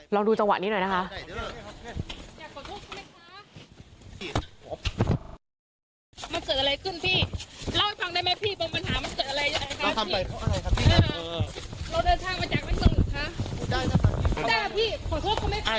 ลองดูจังหวะหนิหน่อยนะคะ